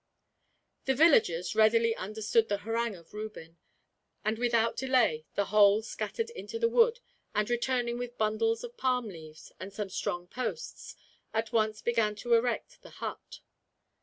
The villagers readily understood the harangue of Reuben, and without delay the whole scattered into the wood and, returning with bundles of palm leaves and some strong posts, at once began to erect the hut.